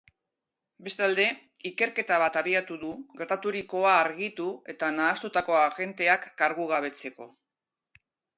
Bestalde, ikerketa bat abiatu du gertaturikoa argitu eta nahastutako agenteak kargugabetzeko.